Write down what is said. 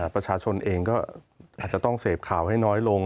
ประชาชนเองก็อาจจะต้องเสพข่าวให้น้อยลง